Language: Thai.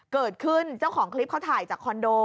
เกิดขึ้นเจ้าของคลิปเขาถ่ายจากคอนโด